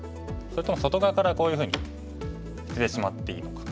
それとも外側からこういうふうに捨ててしまっていいのか。